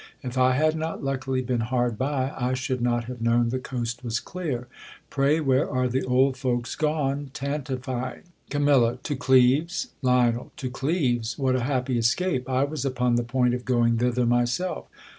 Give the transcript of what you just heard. If I had not luck ily been hard by, I should not have known the coast was clear. Pray where are the old folks gone tanti vying ? Camilla, To Clcves. Lion, To Clevcs ! What a happy escape ! I was upon the point of going thither myself.